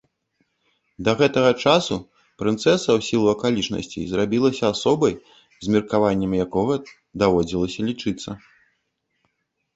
Да гэтага часу прынцэса ў сілу акалічнасцей зрабілася асобай, з меркаваннем якога даводзілася лічыцца.